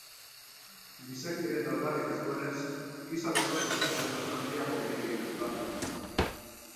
Gizakiaren dar-darrik ez duenez, giza besoak baino xehetasun handiagoarkein egiten du lan.